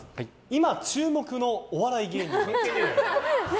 今注目のお笑い芸人は？